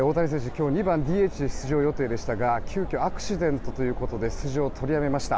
今日、２番ＤＨで出場予定でしたが急きょアクシデントということで出場を取りやめました。